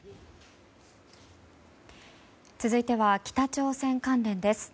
続いては北朝鮮関連です。